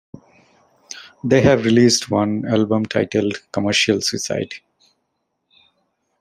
They have released one album titled "Commercial Suicide".